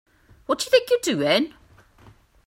What do you think you're doing?